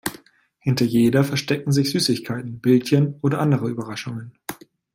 Hinter jeder verstecken sich Süßigkeiten, Bildchen oder andere Überraschungen.